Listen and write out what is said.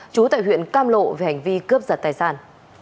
chú tại huyện cam lộ về hành vi cướp giặt tài sản